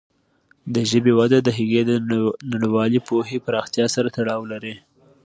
د ژبې وده د هغې د نړیوالې پوهې پراختیا سره تړاو لري.